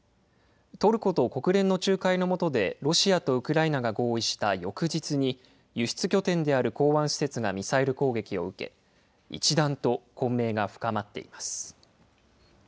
トルコと国連の仲介のもとで、ロシアとウクライナが合意した翌日に、輸出拠点である港湾施設がミサイル攻撃を受け、一段と混迷が深まっています。